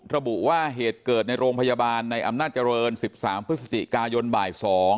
ระบุว่าเหตุเกิดในโรงพยาบาลในอำนาจเจริญ๑๓พฤศจิกายนบ่าย๒